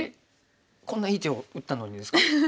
えっこんないい手を打ったのにですか？